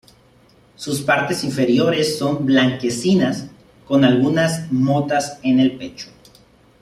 Sus partes inferiores son blanquecinas, con algunas motas en el pecho.